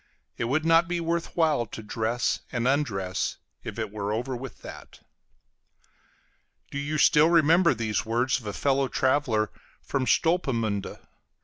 It would not be worth while to dress and undress if it were over with that. Do you still remember these words of a fellow traveler from Stolpemünde?